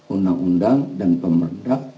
undang undang dan pemerintah